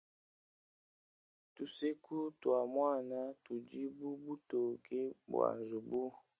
Tuseku tua muana tudi bu butoke bua nzubu.